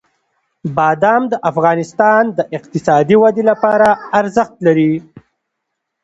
بادام د افغانستان د اقتصادي ودې لپاره ارزښت لري.